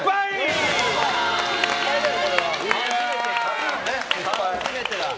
初めてだ。